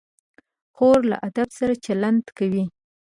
خور له ادب سره چلند کوي.